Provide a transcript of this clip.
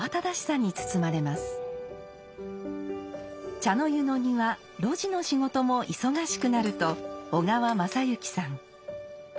茶の湯の庭露地の仕事も忙しくなると小河正行さん。